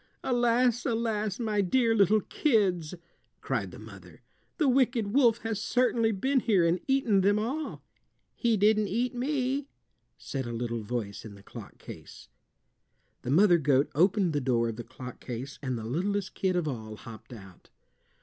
"Alas, alas! My dear little kids!" cried the mother. "The wicked wolf has certainly been here and eaten them all." "He didn't eat me," said a little voice in the clock case. The mother goat opened the door of the clock case and the littlest kid of all hopped out.